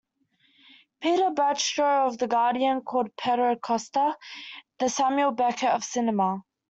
Peter Bradshaw of "The Guardian" called Pedro Costa "the Samuel Beckett of cinema".